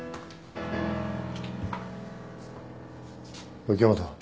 ・おい池本。